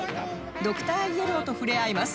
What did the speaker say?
ドクターイエローとふれあいます